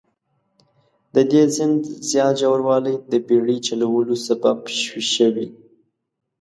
د دې سیند زیات ژوروالی د بیړۍ چلولو سبب شوي.